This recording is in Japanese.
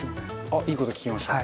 あっいいこと聞きました。